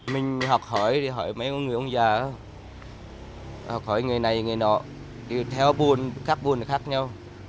mình học hỏi thì hỏi mấy người ông già học hỏi người này người nọ theo buôn khác buôn khác nhau